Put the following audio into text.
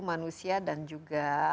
manusia dan juga